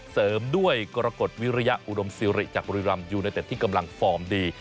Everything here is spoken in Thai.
เสริมด้วยกรกฎวิริยะอุดมซิริจากบุรีรำยูไนเต็ดที่กำลังฟอร์มดี